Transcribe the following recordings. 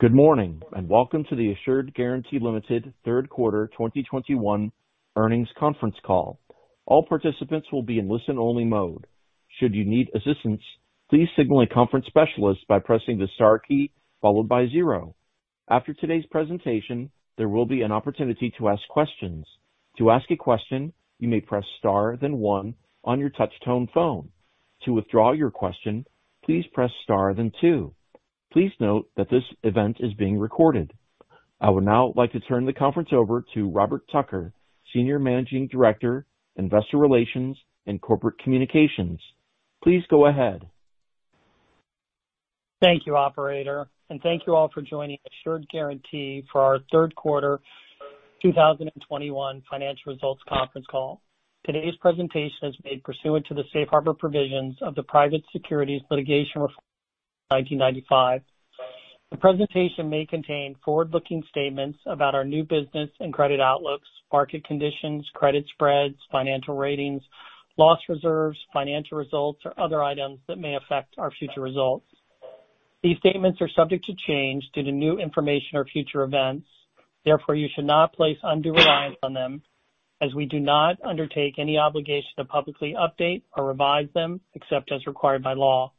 Good morning, and Welcome to the Assured Guaranty Ltd. Third Quarter 2021 Earnings Conference Call. All participants will be in listen-only mode. Should you need assistance, please signal a conference specialist by pressing the star key followed by zero. After today's presentation, there will be an opportunity to ask questions. To ask a question, you may press star then one on your touchtone phone. To withdraw your question, please press star then two. Please note that this event is being recorded. I would now like to turn the conference over to Robert Tucker, Senior Managing Director, Investor Relations and Corporate Communications. Please go ahead. Thank you, operator, and thank you all for joining Assured Guaranty for our third quarter 2021 financial results conference call. Today's presentation is made pursuant to the safe harbor provisions of the Private Securities Litigation Reform 1995. The presentation may contain forward-looking statements about our new business and credit outlooks, market conditions, credit spreads, financial ratings, loss reserves, financial results, or other items that may affect our future results. These statements are subject to change due to new information or future events. Therefore, you should not place undue reliance on them as we do not undertake any obligation to publicly update or revise them except as required by law.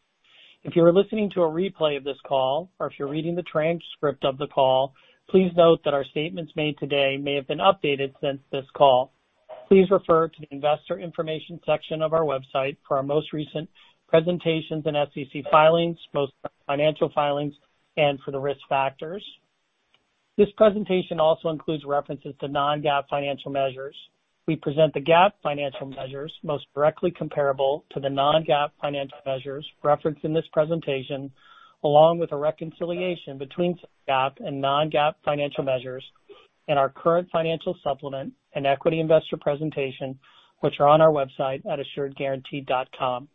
If you are listening to a replay of this call or if you're reading the transcript of the call, please note that our statements made today may have been updated since this call. Please refer to the investor information section of our website for our most recent presentations and SEC filings, both financial filings and for the risk factors. This presentation also includes references to non-GAAP financial measures. We present the GAAP financial measures most directly comparable to the non-GAAP financial measures referenced in this presentation, along with a reconciliation between GAAP and non-GAAP financial measures in our current financial supplement and equity investor presentation, which are on our website at assuredguaranty.com.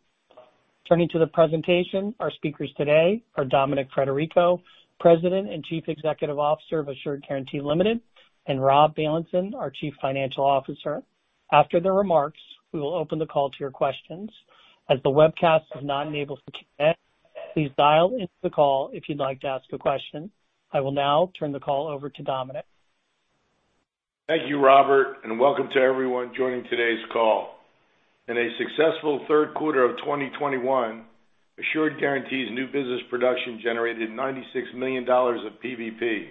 Turning to the presentation, our speakers today are Dominic Frederico, President and Chief Executive Officer of Assured Guaranty Ltd., and Rob Bailenson, our Chief Financial Officer. After their remarks, we will open the call to your questions. As the webcast is not enabled for Q&A, please dial into the call if you'd like to ask a question. I will now turn the call over to Dominic. Thank you, Robert, and welcome to everyone joining today's call. In a successful third quarter of 2021, Assured Guaranty's new business production generated $96 million of PVP.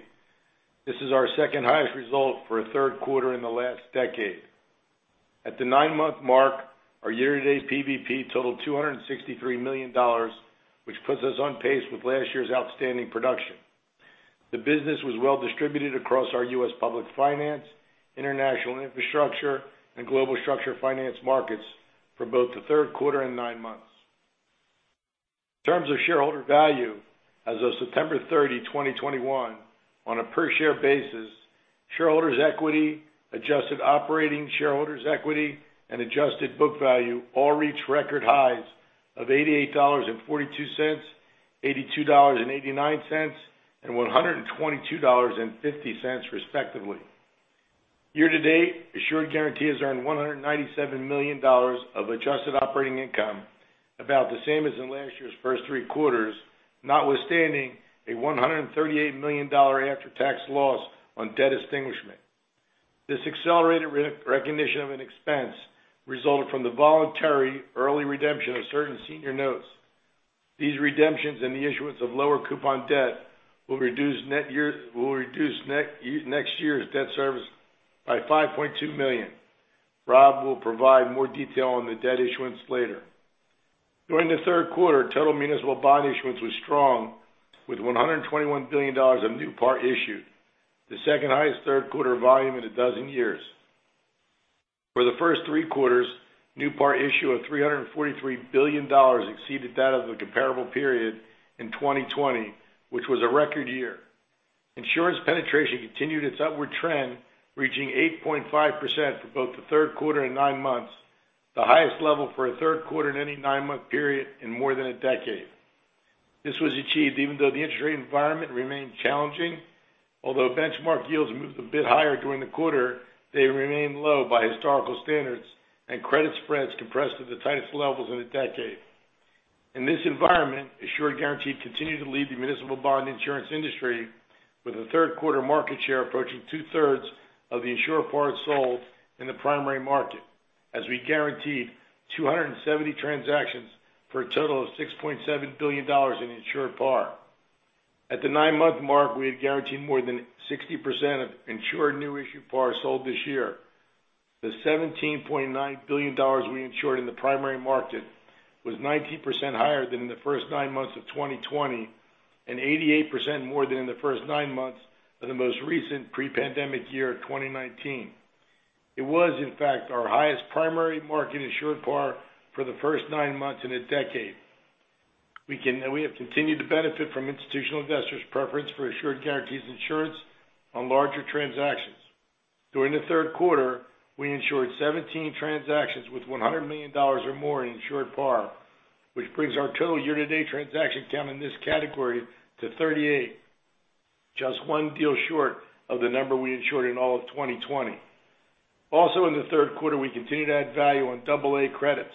This is our second-highest result for a third quarter in the last decade. At the nine-month mark, our year-to-date PVP totaled $263 million, which puts us on pace with last year's outstanding production. The business was well distributed across our U.S. public finance, international infrastructure, and global structured finance markets for both the third quarter and nine months. In terms of shareholder value, as of September 30, 2021, on a per share basis, shareholders equity, adjusted operating shareholders equity, and adjusted book value all reached record highs of $88.42, $82.89, and $122.50 respectively. Year to date, Assured Guaranty has earned $197 million of adjusted operating income, about the same as in last year's first three quarters, notwithstanding a $138 million dollar after-tax loss on debt extinguishment. This accelerated re-recognition of an expense resulted from the voluntary early redemption of certain senior notes. These redemptions and the issuance of lower coupon debt will reduce next year's debt service by $5.2 million. Rob will provide more detail on the debt issuance later. During the third quarter, total municipal bond issuance was strong with $121 billion of new par issued, the second-highest third quarter volume in a dozen years. For the first three quarters, new par issue of $343 billion exceeded that of the comparable period in 2020, which was a record year. Insurance penetration continued its upward trend, reaching 8.5% for both the third quarter and nine months, the highest level for a third quarter in any nine-month period in more than a decade. This was achieved even though the interest rate environment remained challenging. Although benchmark yields moved a bit higher during the quarter, they remained low by historical standards, and credit spreads compressed to the tightest levels in a decade. In this environment, Assured Guaranty continued to lead the municipal bond insurance industry with a third quarter market share approaching two-thirds of the insurer par sold in the primary market as we guaranteed 270 transactions for a total of $6.7 billion in insured par. At the nine-month mark, we had guaranteed more than 60% of insured new issue par sold this year. The $17.9 billion we insured in the primary market was 19% higher than in the first nine months of 2020, and 88% more than in the first nine months of the most recent pre-pandemic year, 2019. It was, in fact, our highest primary market insured par for the first nine months in a decade. We have continued to benefit from institutional investors preference for Assured Guaranty's insurance on larger transactions. During the third quarter, we insured 17 transactions with $100 million or more in insured par, which brings our total year-to-date transaction count in this category to 38, just one deal short of the number we insured in all of 2020. Also in the third quarter, we continued to add value on AA credits,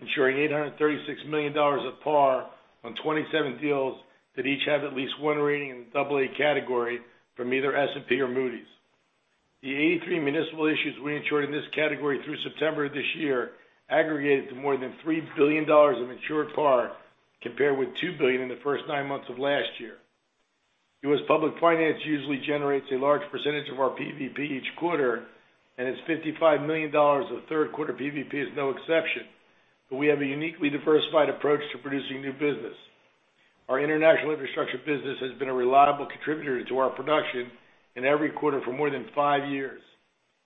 ensuring $836 million of par on 27 deals that each have at least one rating in the AA category from either S&P or Moody's. The 83 municipal issues we insured in this category through September of this year aggregated to more than $3 billion in insured par, compared with $2 billion in the first nine months of last year. U.S. public finance usually generates a large percentage of our PVP each quarter, and its $55 million of third quarter PVP is no exception, but we have a uniquely diversified approach to producing new business. Our international infrastructure business has been a reliable contributor to our production in every quarter for more than five years.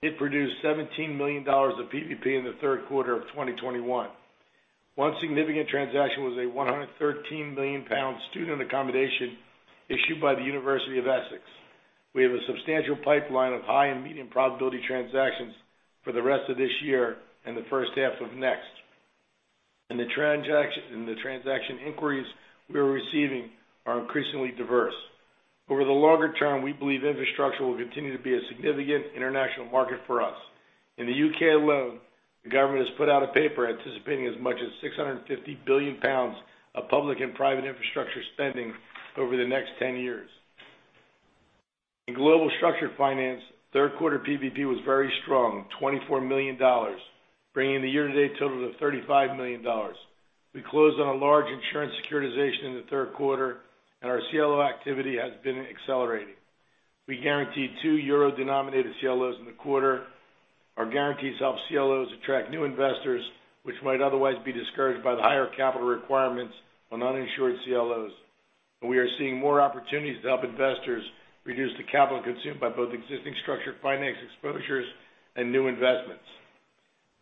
It produced $17 million of PVP in the third quarter of 2021. One significant transaction was a 113 million pound student accommodation issued by the University of Essex. We have a substantial pipeline of high and medium probability transactions for the rest of this year and the first half of next. The transaction inquiries we are receiving are increasingly diverse. Over the longer term, we believe infrastructure will continue to be a significant international market for us. In the U.K. alone, the government has put out a paper anticipating as much as 650 billion pounds of public and private infrastructure spending over the next 10 years. In global structured finance, third quarter PVP was very strong, $24 million, bringing the year-to-date total to $35 million. We closed on a large insurance securitization in the third quarter, and our CLO activity has been accelerating. We guaranteed €2 denominated CLOs in the quarter. Our guarantees help CLOs attract new investors, which might otherwise be discouraged by the higher capital requirements on uninsured CLOs. We are seeing more opportunities to help investors reduce the capital consumed by both existing structured finance exposures and new investments.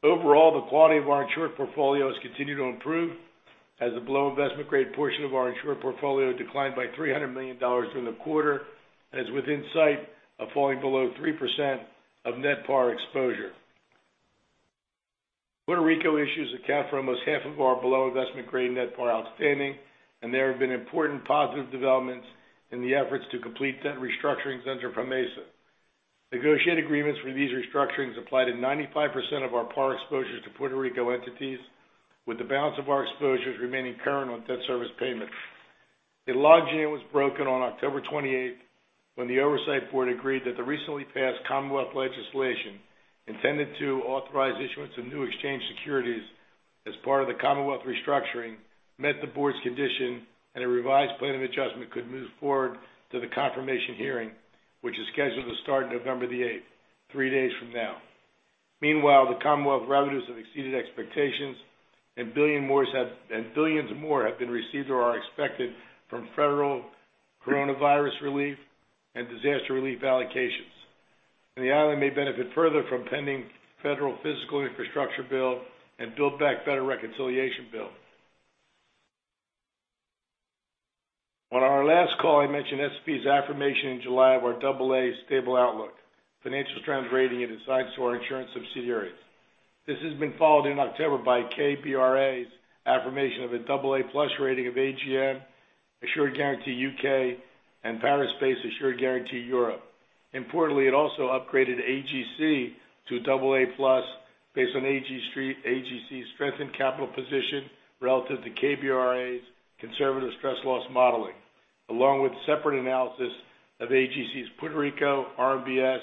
Overall, the quality of our insured portfolio has continued to improve as the below investment grade portion of our insured portfolio declined by $300 million during the quarter and is within sight of falling below 3% of net par exposure. Puerto Rico issues account for almost half of our below investment grade net par outstanding, and there have been important positive developments in the efforts to complete the restructuring under PROMESA. Negotiated agreements for these restructurings apply to 95% of our par exposures to Puerto Rico entities, with the balance of our exposures remaining current on debt service payments. A logjam was broken on October 28 when the Oversight Board agreed that the recently passed Commonwealth legislation intended to authorize issuance of new exchange securities as part of the Commonwealth restructuring met the board's condition, and a revised plan of adjustment could move forward to the confirmation hearing, which is scheduled to start November 8, three days from now. Meanwhile, the Commonwealth revenues have exceeded expectations, and billions more have been received or are expected from federal coronavirus relief and disaster relief allocations. The island may benefit further from pending federal fiscal infrastructure bill and Build Back Better reconciliation bill. On our last call, I mentioned S&P's affirmation in July of our AA stable outlook, financial strength rating it assigns to our insurance subsidiaries. This has been followed in October by KBRA's affirmation of a double A+ rating of AGM, Assured Guaranty UK Limited, and Paris-based Assured Guaranty (Europe) SA. Importantly, it also upgraded AGC to double A plus based on AGC's strengthened capital position relative to KBRA's conservative stress loss modeling, along with separate analysis of AGC's Puerto Rico RMBS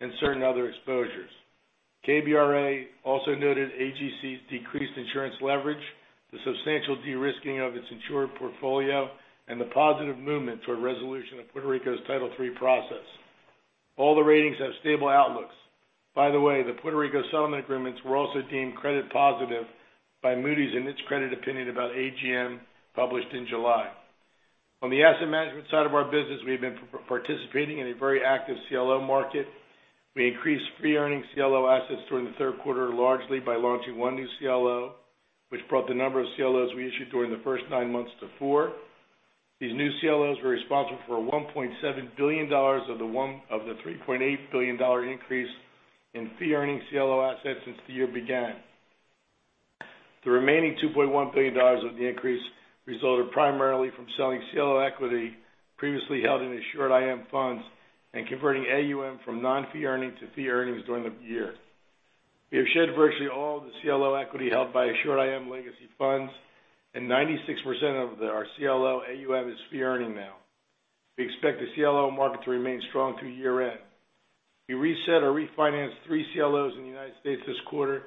and certain other exposures. KBRA also noted AGC's decreased insurance leverage, the substantial de-risking of its insured portfolio, and the positive movement toward resolution of Puerto Rico's Title III process. All the ratings have stable outlooks. By the way, the Puerto Rico settlement agreements were also deemed credit positive by Moody's in its credit opinion about AGM published in July. On the asset management side of our business, we have been participating in a very active CLO market. We increased fee-earning CLOs assets during the third quarter, largely by launching one new CLO, which brought the number of CLOs we issued during the first nine months to four. These new CLOs were responsible for $1.7 billion of the $3.8 billion increase in fee-earning CLOs assets since the year began. The remaining $2.1 billion of the increase resulted primarily from selling CLO equity previously held in AssuredIM funds and converting AUM from non-fee earning to fee earnings during the year. We have shed virtually all of the CLO equity held by Assured IM legacy funds, and 96% of our CLO AUM is fee earning now. We expect the CLO market to remain strong through year-end. We reset or refinanced three CLOs in the United States this quarter,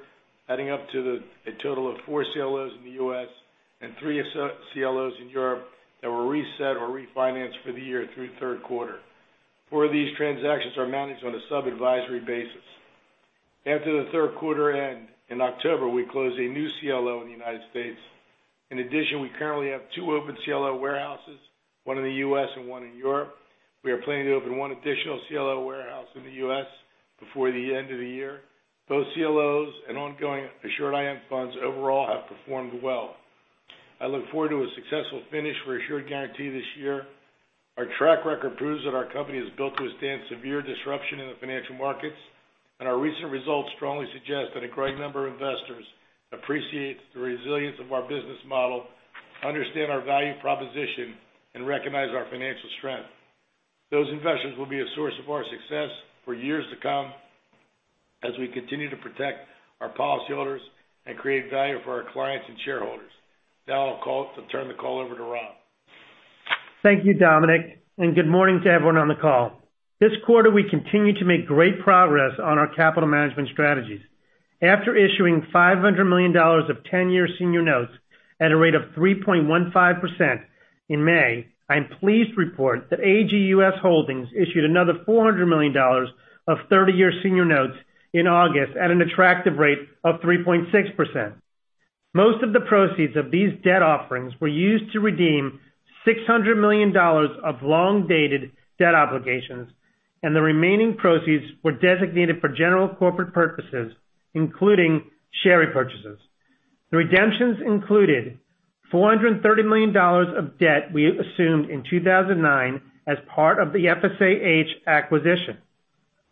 adding up to a total of four CLOs in the U.S. and three CLOs in Europe that were reset or refinanced for the year through third quarter. four of these transactions are managed on a sub-advisory basis. After the third quarter end, in October, we closed a new CLO in the United States. In addition, we currently have two open CLO warehouses, One in the U.S. and one in Europe. We are planning to open one additional CLO warehouse in the U.S. before the end of the year. Those CLOs and ongoing Assured IM funds overall have performed well. I look forward to a successful finish for Assured Guaranty this year. Our track record proves that our company is built to withstand severe disruption in the financial markets, and our recent results strongly suggest that a growing number of investors appreciate the resilience of our business model, understand our value proposition, and recognize our financial strength. Those investments will be a source of our success for years to come as we continue to protect our policyholders and create value for our clients and shareholders. Now, I'll turn the call over to Rob. Thank you, Dominic, and good morning to everyone on the call. This quarter, we continued to make great progress on our capital management strategies. After issuing $500 million of 10-year senior notes at a rate of 3.15% in May, I'm pleased to report that AGUS Holdings issued another $400 million of 30-year senior notes in August at an attractive rate of 3.6%. Most of the proceeds of these debt offerings were used to redeem $600 million of long-dated debt obligations, and the remaining proceeds were designated for general corporate purposes, including share repurchases. The redemptions included $430 million of debt we assumed in 2009 as part of the FSAH acquisition,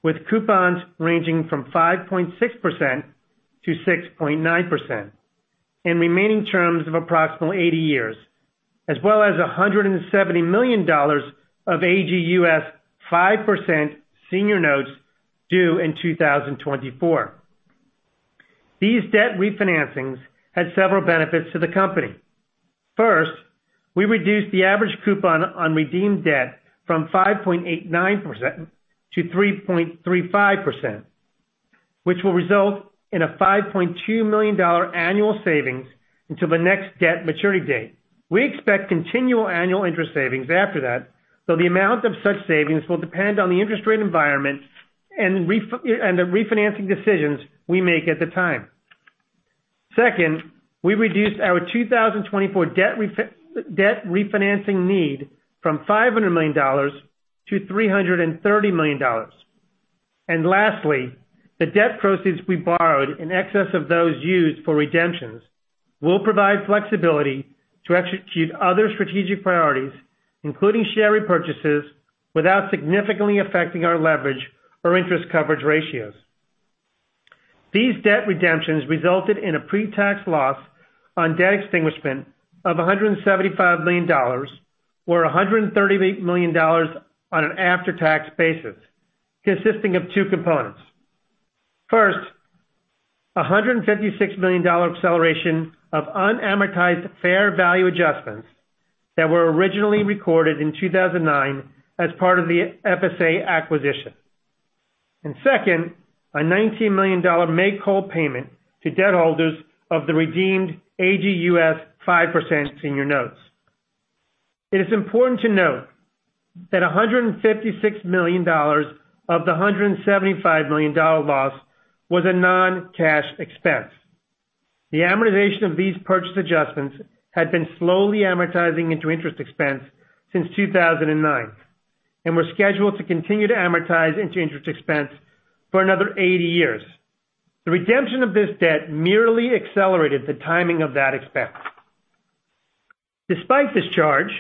with coupons ranging from 5.6%-6.9% and remaining terms of approximately 80 years, as well as $170 million of AGUS 5% senior notes due in 2024. These debt refinancings had several benefits to the company. First, we reduced the average coupon on redeemed debt from 5.89%-3.35%, which will result in a $5.2 million annual savings until the next debt maturity date. We expect continual annual interest savings after that, though the amount of such savings will depend on the interest rate environment and the refinancing decisions we make at the time. Second, we reduced our 2024 debt refinancing need from $500 million-$330 million. Lastly, the debt proceeds we borrowed in excess of those used for redemptions will provide flexibility to execute other strategic priorities, including share repurchases, without significantly affecting our leverage or interest coverage ratios. These debt redemptions resulted in a pre-tax loss on debt extinguishment of $175 million, or $138 million on an after-tax basis, consisting of two components. First, a $156 million dollar acceleration of unamortized fair value adjustments that were originally recorded in 2009 as part of the FSA acquisition. Second, a $19 million dollar make-whole payment to debt holders of the redeemed AGUS 5% senior notes. It is important to note that $156 million of the $175 million loss was a non-cash expense. The amortization of these purchase adjustments had been slowly amortizing into interest expense since 2009 and were scheduled to continue to amortize into interest expense for another 80 years. The redemption of this debt merely accelerated the timing of that expense. Despite this charge,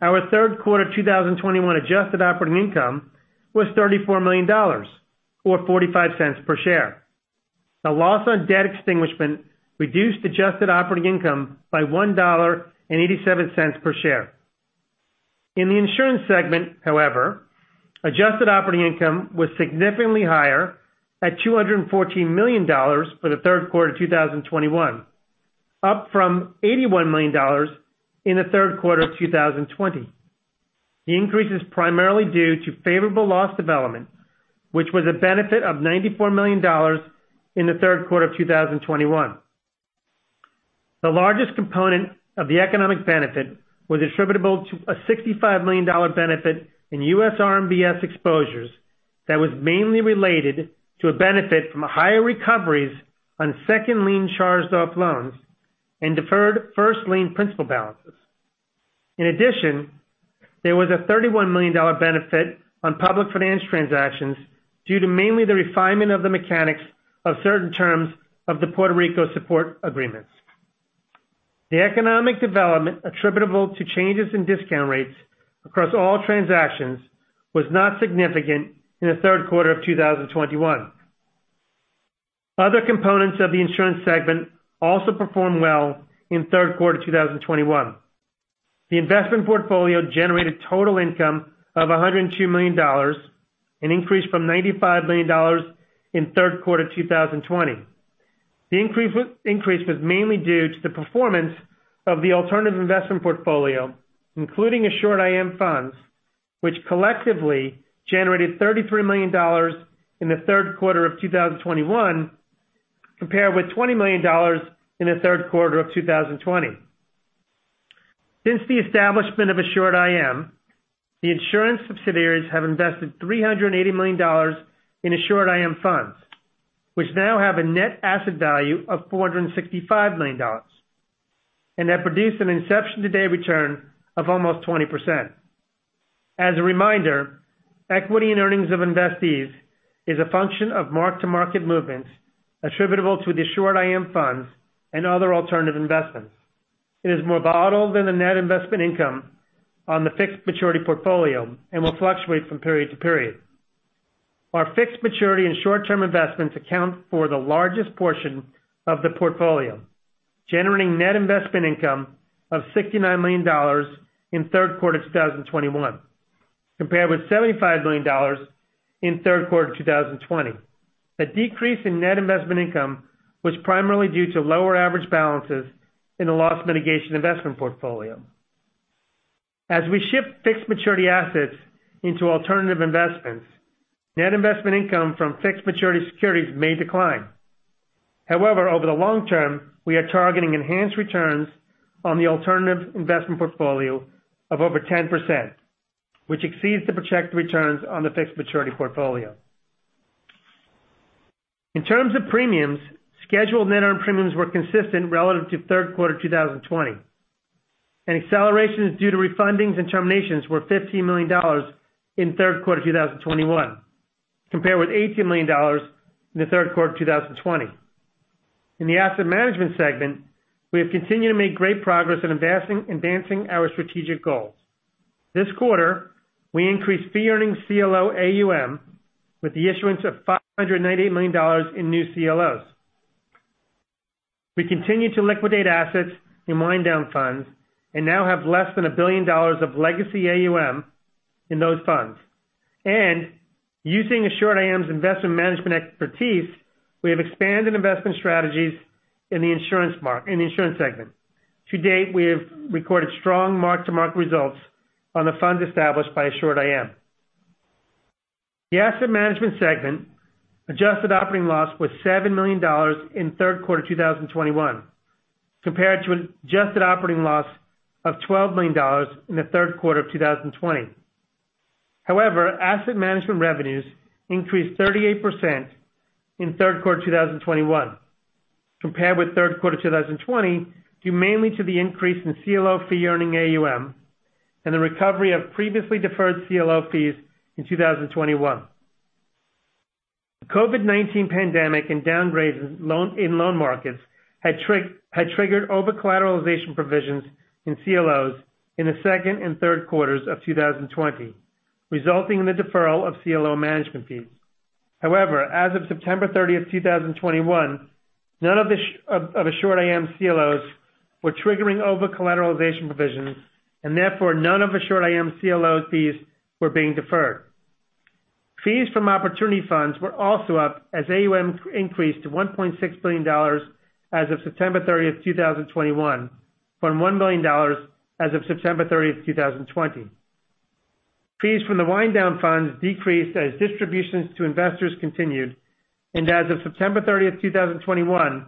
our third quarter 2021 adjusted operating income was $34 million, or $0.45 per share. The loss on debt extinguishment reduced adjusted operating income by $1.87 per share. In the insurance segment, however, adjusted operating income was significantly higher at $214 million for the third quarter of 2021, up from $81 million in the third quarter of 2020. The increase is primarily due to favorable loss development, which was a benefit of $94 million in the third quarter of 2021. The largest component of the economic benefit was attributable to a $65 million dollar benefit in U.S. RMBS exposures that was mainly related to a benefit from higher recoveries on second lien charged-off loans and deferred first lien principal balances. In addition, there was a $31 million dollar benefit on public finance transactions due to mainly the refinement of the mechanics of certain terms of the Puerto Rico support agreements. The economic development attributable to changes in discount rates across all transactions was not significant in the third quarter of 2021. Other components of the insurance segment also performed well in third quarter 2021. The investment portfolio generated total income of $102 million, an increase from $95 million in third quarter 2020. The increase was mainly due to the performance of the alternative investment portfolio, including Assured IM funds, which collectively generated $33 million in the third quarter of 2021, compared with $20 million in the third quarter of 2020. Since the establishment of Assured IM, the insurance subsidiaries have invested $380 million in Assured IM funds, which now have a net asset value of $465 million and have produced an inception to date return of almost 20%. As a reminder, equity and earnings of investees is a function of mark-to-market movements attributable to the Assured IM funds and other alternative investments. It is more volatile than the net investment income on the fixed maturity portfolio and will fluctuate from period to period. Our fixed maturity and short-term investments account for the largest portion of the portfolio, generating net investment income of $69 million in third quarter 2021, compared with $75 million in third quarter 2020. A decrease in net investment income was primarily due to lower average balances in the loss mitigation investment portfolio. As we shift fixed maturity assets into alternative investments, net investment income from fixed maturity securities may decline. However, over the long term, we are targeting enhanced returns on the alternative investment portfolio of over 10%, which exceeds the projected returns on the fixed maturity portfolio. In terms of premiums, scheduled net earned premiums were consistent relative to third quarter 2020. Accelerations due to refundings and terminations were $15 million in third quarter 2021, compared with $18 million in the third quarter of 2020. In the asset management segment, we have continued to make great progress in advancing our strategic goals. This quarter, we increased fee-earning CLO AUM with the issuance of $598 million in new CLOs. We continue to liquidate assets in wind-down funds and now have less than $1 billion of legacy AUM in those funds. Using AssuredIM's investment management expertise, we have expanded investment strategies in the insurance segment. To date, we have recorded strong mark-to-market results on the funds established by AssuredIM. The asset management segment adjusted operating loss was $7 million in third quarter 2021, compared to an adjusted operating loss of $12 million in the third quarter of 2020. However, asset management revenues increased 38% in third quarter 2021 compared with third quarter 2020 due mainly to the increase in CLO fee earning AUM and the recovery of previously deferred CLO fees in 2021. The COVID-19 pandemic and downgrades in loan markets had triggered over-collateralization provisions in CLOs in the second and third quarters of 2020, resulting in the deferral of CLO management fees. However, as of September 30, 2021, none of the AssuredIM CLOs were triggering over-collateralization provisions, and therefore none of AssuredIM CLOs fees were being deferred. Fees from opportunity funds were also up as AUM increased to $1.6 billion as of September 30, 2021, from $1 million as of September 30, 2020. Fees from the wind down funds decreased as distributions to investors continued. As of September 30, 2021,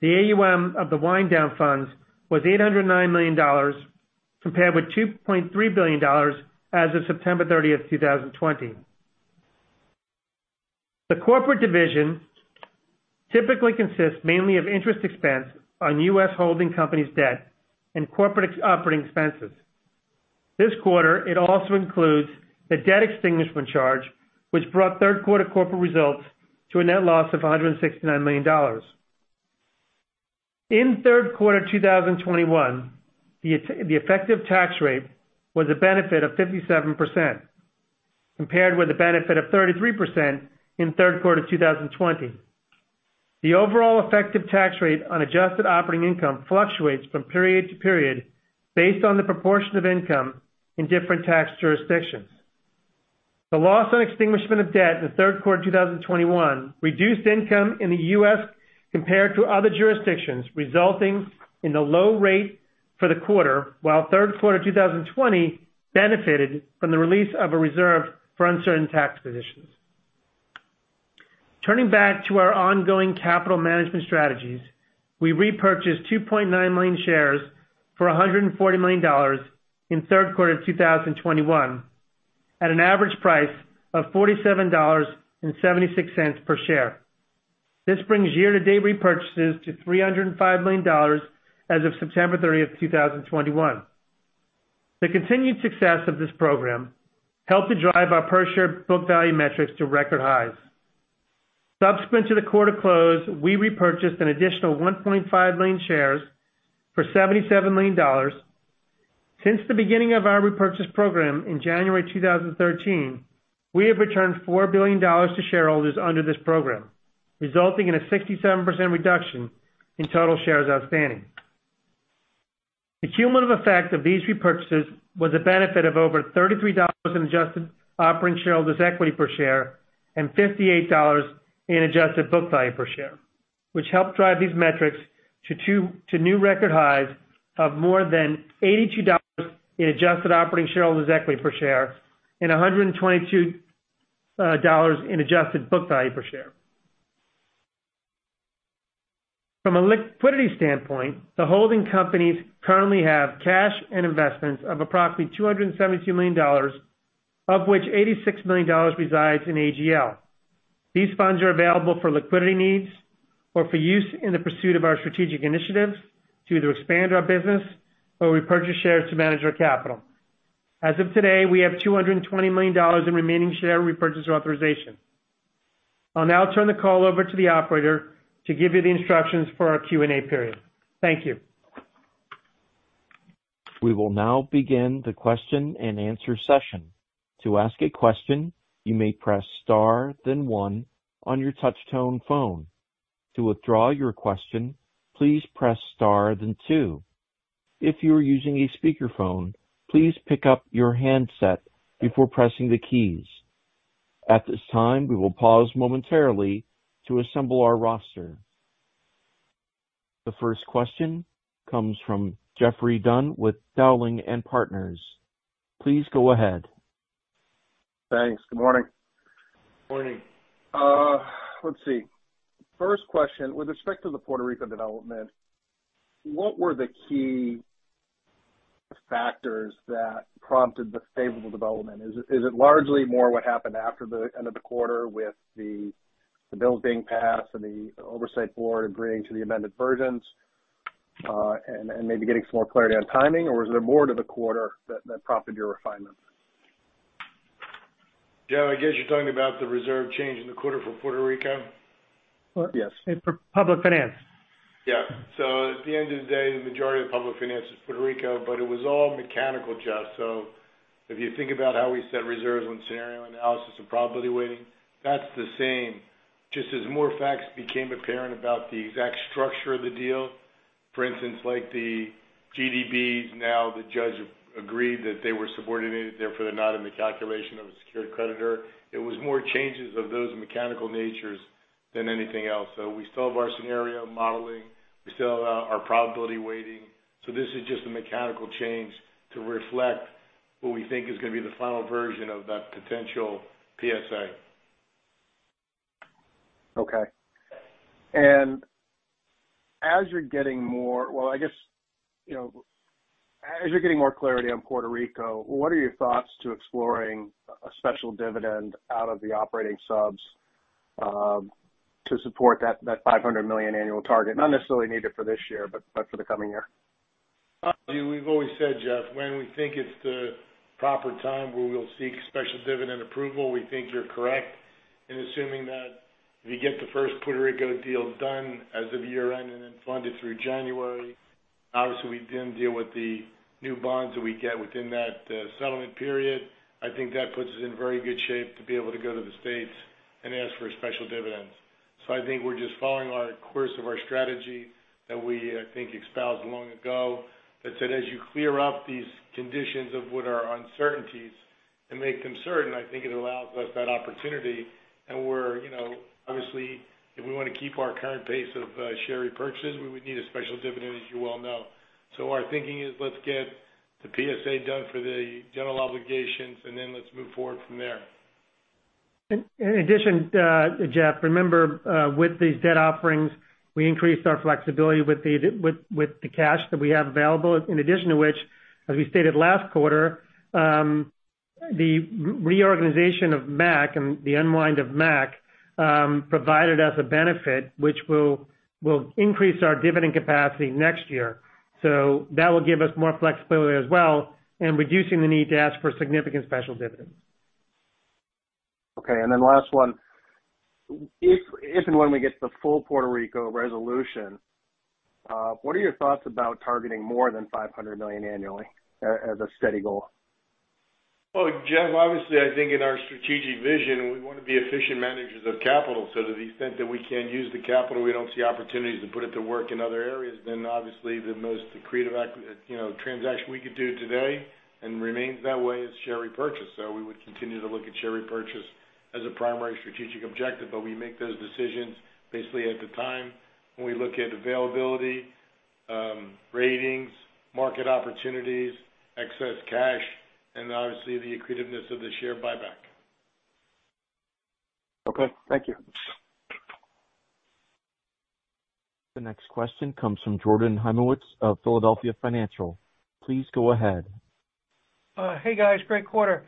the AUM of the wind down funds was $809 million, compared with $2.3 billion as of September 30, 2020. The corporate division typically consists mainly of interest expense on U.S. holding companies debt and corporate operating expenses. This quarter, it also includes the debt extinguishment charge, which brought third quarter corporate results to a net loss of $169 million. In third quarter 2021, the effective tax rate was a benefit of 57% compared with the benefit of 33% in third quarter 2020. The overall effective tax rate on adjusted operating income fluctuates from period to period based on the proportion of income in different tax jurisdictions. The loss on extinguishment of debt in the third quarter of 2021 reduced income in the U.S. compared to other jurisdictions, resulting in the low rate for the quarter, while third quarter 2020 benefited from the release of a reserve for uncertain tax positions. Turning back to our ongoing capital management strategies, we repurchased 2.9 million shares for $140 million in third quarter of 2021 at an average price of $47.76 per share. This brings year-to-date repurchases to $305 million as of September 30, 2021. The continued success of this program helped to drive our per share book value metrics to record highs. Subsequent to the quarter close, we repurchased an additional 1.5 million shares for $77 million. Since the beginning of our repurchase program in January 2013, we have returned $4 billion to shareholders under this program, resulting in a 67% reduction in total shares outstanding. The cumulative effect of these repurchases was a benefit of over $33 in adjusted operating shareholders' equity per share, and $58 in adjusted book value per share, which helped drive these metrics to new record highs of more than $82 in adjusted operating shareholders' equity per share and $122 dollars in adjusted book value per share. From a liquidity standpoint, the holding companies currently have cash and investments of approximately $272 million, of which $86 million resides in AGL. These funds are available for liquidity needs or for use in the pursuit of our strategic initiatives to either expand our business or repurchase shares to manage our capital. As of today, we have $220 million in remaining share repurchase authorization. I'll now turn the call over to the operator to give you the instructions for our Q&A period. Thank you. We will now begin the question-and-answer session. To ask a question, you may press star then one on your touchtone phone. To withdraw your question, please press star then two. If you are using a speakerphone, please pick up your handset before pressing the keys. At this time, we will pause momentarily to assemble our roster. The first question comes from Geoffrey Dunn with Dowling & Partners. Please go ahead. Thanks. Good morning. Morning. Let's see. First question. With respect to the Puerto Rico development, what were the key factors that prompted the favorable development? Is it largely more what happened after the end of the quarter with the bills being passed and the Oversight Board agreeing to the amended versions, and maybe getting some more clarity on timing, or is there more to the quarter that prompted your refinement? Jeff, I guess you're talking about the reserve change in the quarter for Puerto Rico. Yes. For public finance. Yeah. At the end of the day, the majority of public finance is Puerto Rico, but it was all mechanical, Jeff. If you think about how we set reserves with scenario analysis and probability weighting, that's the same. Just as more facts became apparent about the exact structure of the deal. For instance, like the GDBs, now the judge agreed that they were subordinated, therefore they're not in the calculation of a secured creditor. It was more changes of those mechanical natures than anything else. We still have our scenario modeling. We still have our probability weighting. This is just a mechanical change to reflect what we think is gonna be the final version of that potential PSA. Okay. Well, I guess, you know, as you're getting more clarity on Puerto Rico, what are your thoughts on exploring a special dividend out of the operating subs to support that $500 million annual target? Not necessarily need it for this year, but for the coming year. We've always said, Jeff, when we think it's the proper time, we will seek special dividend approval. We think you're correct in assuming that if you get the first Puerto Rico deal done as of year-end and then funded through January, obviously we then deal with the new bonds that we get within that settlement period. I think that puts us in very good shape to be able to go to the states and ask for special dividends. I think we're just following our course of our strategy that we, I think, espoused long ago. That said, as you clear up these conditions of what are uncertainties and make them certain, I think it allows us that opportunity. We're, you know, obviously, if we wanna keep our current pace of share repurchases, we would need a special dividend, as you well know. Our thinking is let's get the PSA done for the general obligations, and then let's move forward from there. In addition, Jeff, remember, with these debt offerings, we increased our flexibility with the cash that we have available, in addition to which, as we stated last quarter, the reorganization of MAC and the unwind of MAC provided us a benefit which will increase our dividend capacity next year. That will give us more flexibility as well in reducing the need to ask for significant special dividends. Okay. Last one. If and when we get the full Puerto Rico resolution, what are your thoughts about targeting more than $500 million annually as a steady goal? Well, Jeff, obviously, I think in our strategic vision, we wanna be efficient managers of capital. To the extent that we can't use the capital, we don't see opportunities to put it to work in other areas, then obviously the most accretive, you know, transaction we could do today and remains that way is share repurchase. We would continue to look at share repurchase as a primary strategic objective, but we make those decisions basically at the time when we look at availability, ratings, market opportunities, excess cash, and obviously the accretiveness of the share buyback. Okay. Thank you. The next question comes from Jordan Hymowitz of Philadelphia Financial. Please go ahead. Hey, guys. Great quarter.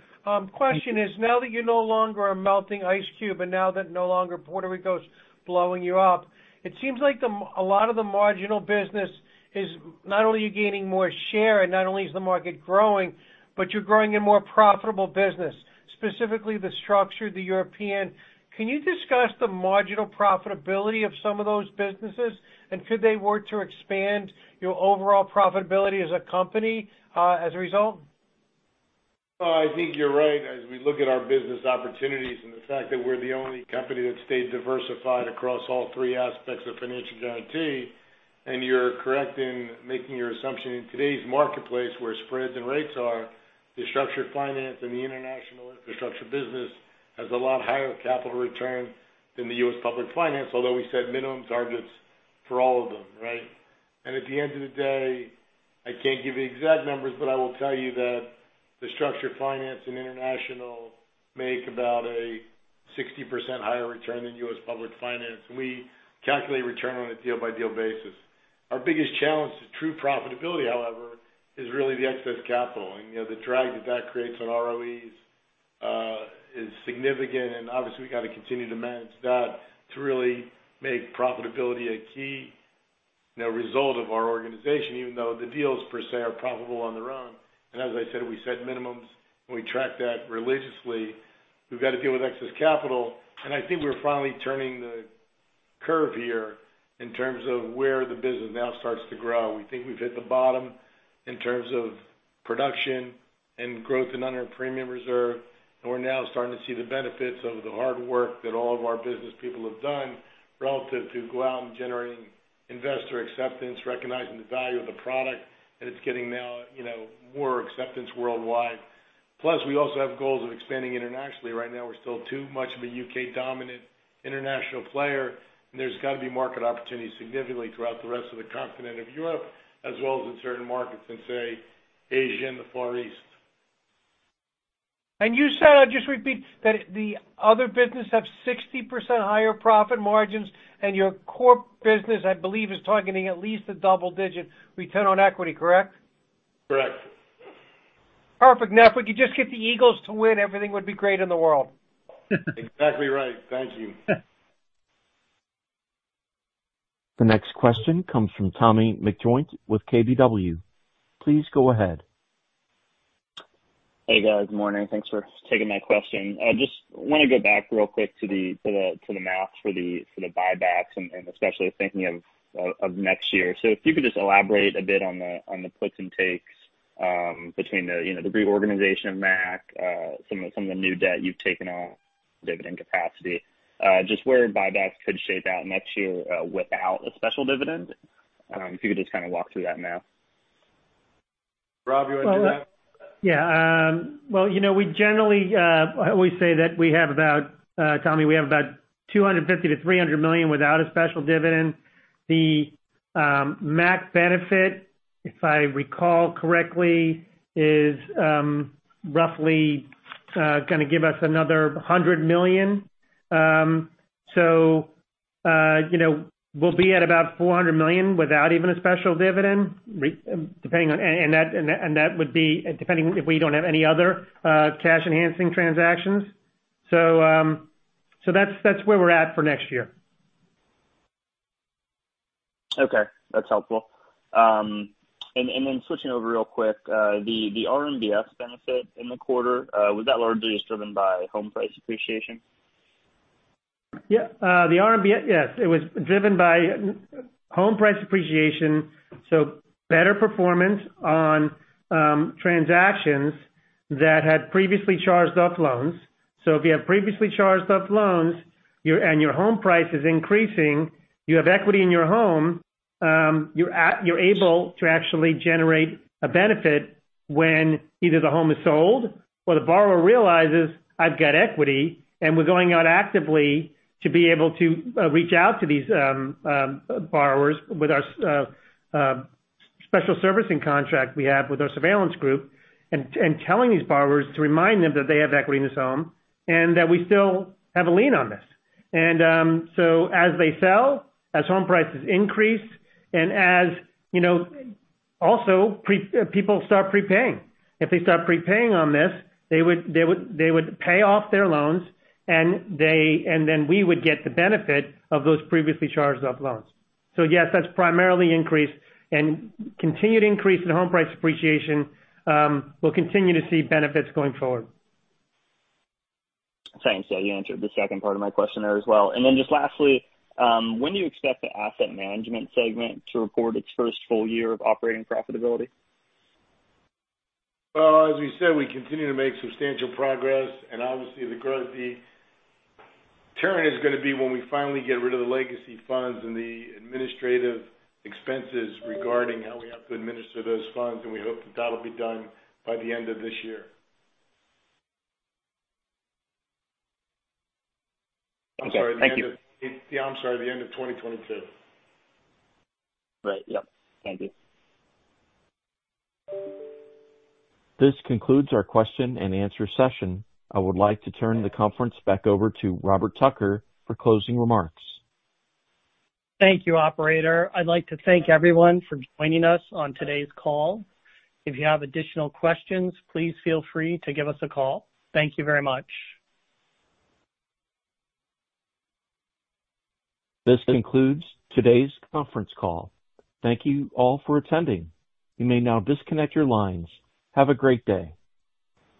Question is, now that you no longer are melting ice cube and now that no longer Puerto Rico is blowing you up, it seems like a lot of the marginal business is not only you gaining more share and not only is the market growing, but you're growing a more profitable business, specifically the structured, the European. Can you discuss the marginal profitability of some of those businesses? Could they work to expand your overall profitability as a company, as a result? I think you're right as we look at our business opportunities and the fact that we're the only company that stayed diversified across all three aspects of financial guaranty. You're correct in making your assumption. In today's marketplace, where spreads and rates are, the structured finance and the international infrastructure business has a lot higher capital return than the U.S. public finance, although we set minimum targets for all of them, right? At the end of the day, I can't give you exact numbers, but I will tell you that the structured finance and international make about a 60% higher return than U.S. public finance. We calculate return on a deal-by-deal basis. Our biggest challenge to true profitability, however, is really the excess capital. You know, the drag that that creates on ROEs is significant. Obviously, we got to continue to manage that to really make profitability a key result of our organization, even though the deals per se are profitable on their own. As I said, we set minimums, and we track that religiously. We've got to deal with excess capital. I think we're finally turning the curve here in terms of where the business now starts to grow. We think we've hit the bottom in terms of production and growth in unearned premium reserve, and we're now starting to see the benefits of the hard work that all of our business people have done relative to go out and generating investor acceptance, recognizing the value of the product that it's getting now, you know, more acceptance worldwide. Plus, we also have goals of expanding internationally. Right now, we're still too much of a U.K.-dominant international player, and there's got to be market opportunities significantly throughout the rest of the continent of Europe, as well as in certain markets in, say, Asia and the Far East. You said, I'll just repeat, that the other business have 60% higher profit margins and your core business, I believe, is targeting at least a double-digit return on equity, correct? Correct. Perfect. Now, if we could just get the Eagles to win, everything would be great in the world. Exactly right. Thank you. The next question comes from Tommy McJoynt with KBW. Please go ahead. Hey, guys. Morning. Thanks for taking my question. I just want to go back real quick to the math for the buybacks and especially thinking of next year. If you could just elaborate a bit on the puts and takes between you know the reorganization of MAC, some of the new debt you've taken on dividend capacity, just where buybacks could shape out next year without a special dividend, if you could just kind of walk through that math. Rob, you wanna do that? Yeah. Well, you know, we generally always say that we have about $250 million-$300 million without a special dividend, Tommy. The MAC benefit, if I recall correctly, is roughly gonna give us another $100 million. You know, we'll be at about $400 million without even a special dividend, depending if we don't have any other cash enhancing transactions. That's where we're at for next year. Okay, that's helpful. Switching over real quick, the RMBS benefit in the quarter, was that largely just driven by home price appreciation? Yeah. The RMBS. Yes, it was driven by home price appreciation, so better performance on transactions that had previously charged off loans. If you have previously charged off loans, and your home price is increasing, you have equity in your home. You're able to actually generate a benefit when either the home is sold or the borrower realizes I've got equity, and we're going out actively to be able to reach out to these borrowers with our special servicing contract we have with our surveillance group and telling these borrowers to remind them that they have equity in this home and that we still have a lien on this. As they sell, as home prices increase and as, you know, also people start prepaying. If they start prepaying on this, they would pay off their loans and then we would get the benefit of those previously charged off loans. Yes, that's primarily increased and continued increase in home price appreciation, we'll continue to see benefits going forward. Thanks. Yeah, you answered the second part of my question there as well. Just lastly, when do you expect the asset management segment to report its first full year of operating profitability? Well, as we said, we continue to make substantial progress and obviously the growth, the turn is gonna be when we finally get rid of the legacy funds and the administrative expenses regarding how we have to administer those funds, and we hope that that'll be done by the end of this year. Okay. Thank you. Yeah, I'm sorry, the end of 2022. Right. Yep. Thank you. This concludes our question and answer session. I would like to turn the conference back over to Robert Tucker for closing remarks. Thank you, operator. I'd like to thank everyone for joining us on today's call. If you have additional questions, please feel free to give us a call. Thank you very much. This concludes today's conference call. Thank you all for attending. You may now disconnect your lines. Have a great day.